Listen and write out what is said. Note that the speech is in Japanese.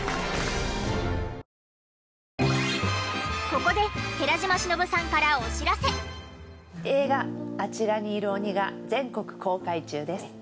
ここで映画『あちらにいる鬼』が全国公開中です。